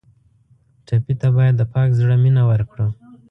ټپي ته باید د پاک زړه مینه ورکړو.